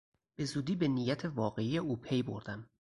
بزودی به نیت واقعی او پی بردم.